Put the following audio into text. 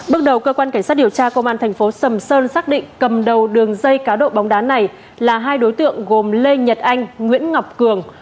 bước đầu cơ quan cảnh sát điều tra công an thành phố sầm sơn xác định cầm đầu đường dây cá độ bóng đá này là hai đối tượng gồm lê nhật anh nguyễn ngọc cường